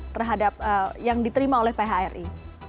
terhadap yang diterima oleh phri